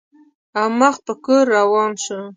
او مخ په کور روان شو.